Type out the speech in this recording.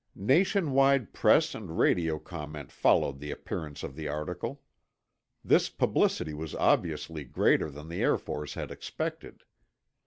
Nation wide press and radio comment followed the appearance of the article. This publicity was obviously greater than the Air Force had expected.